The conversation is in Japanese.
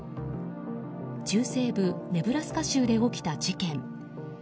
中西部ネブラスカ州で起きた事件。